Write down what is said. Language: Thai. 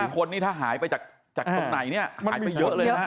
๒๕คนถ้าหายไปจากตรงไหนเนี่ยหายไปเยอะเลยนะครับ